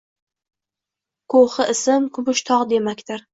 Ko‘hi ism – “kumush tog‘” demakdir.